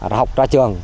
đã học ra trường